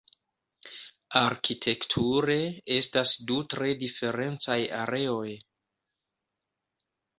Arkitekture estas du tre diferencaj areoj.